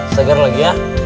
segar lagi ya